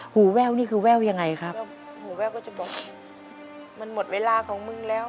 แววนี่คือแว่วยังไงครับแววหูแว่วก็จะบอกมันหมดเวลาของมึงแล้ว